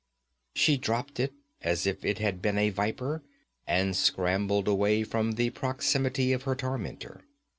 She dropped it as if it had been a viper, and scrambled away from the proximity of her tormenter.